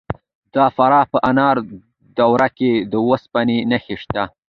د فراه په انار دره کې د وسپنې نښې شته.